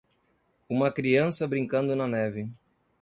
uma criança brincando na neve.